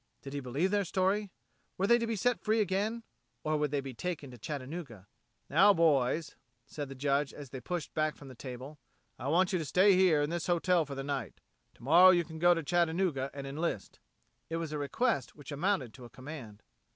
Did he believe their story? Were they to be set free again, or would they be taken to Chattanooga? "Now, boys," said the Judge as they pushed back from the table, "I want you to stay here in this hotel for the night. Tomorrow you can go to Chattanooga and enlist." It was a request which amounted to a command.